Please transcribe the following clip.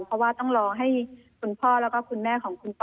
เพราะว่าต้องรอให้คุณพ่อแล้วก็คุณแม่ของคุณต่อ